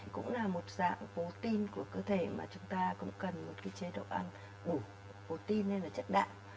cũng là một dạng protein của cơ thể mà chúng ta cũng cần một cái chế độ ăn đủ protein hay là chất đạn